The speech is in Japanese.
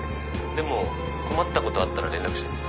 でも困ったことあったら連絡して。